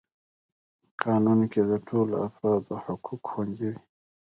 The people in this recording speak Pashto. قانون کي د ټولو افرادو حقوق خوندي وي.